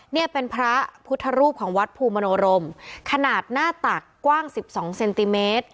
เนี่ยเป็นพระพุทธรูปของวัดภูมิมโนรมขนาดหน้าตักกว้างสิบสองเซนติเมตร